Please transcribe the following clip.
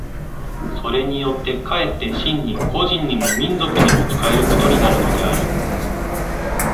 それによって却って真に個人にも民族にも仕えることになるのである。